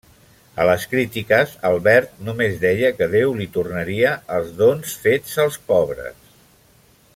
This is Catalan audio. A les crítiques, Albert només deia que Déu li tornaria els dons fets als pobres.